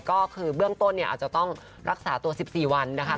ก็คือเบื้องต้นเนี่ยอาจจะต้องรักษาตัว๑๔วันนะคะ